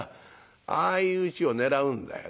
ああいううちを狙うんだよね。